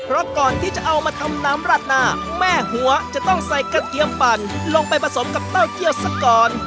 เพราะก่อนที่จะเอามาทำน้ำราดหน้าแม่หัวจะต้องใส่กระเทียมปั่นลงไปผสมกับเต้าเจียวสักก่อน